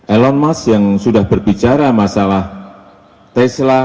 elon musk yang sudah berbicara masalah tesla